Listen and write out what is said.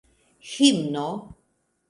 himno